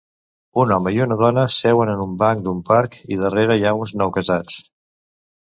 Un home i una dona seuen en un banc d'un parc, i darrera hi ha uns noucasats.